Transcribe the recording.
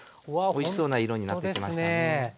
おいしそうな色になってきました。